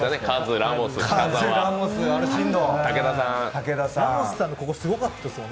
ラモスさんのここ、すごかったですもんね